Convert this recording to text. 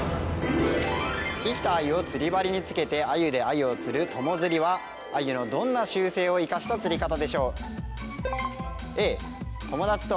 生きたアユを釣り針につけてアユでアユを釣る友釣りはアユのどんな習性を生かした釣り方でしょう？